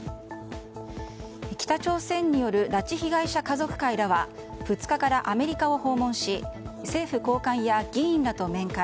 北朝鮮による拉致被害者家族会らは２日からアメリカを訪問し政府高官や議員らと面会。